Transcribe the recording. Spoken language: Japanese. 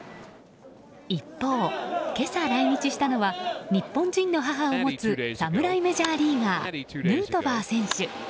一方、今朝、来日したのは日本人の母を持つ侍メジャーリーガーヌートバー選手。